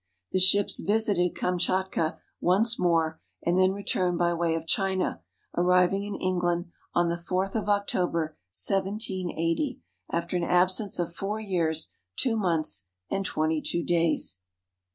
The ships visited Kamtschatka once more, and then returned by way of China, arriving in England on the 4th of October, 1780, after an absence of four years, two months, and twenty two days.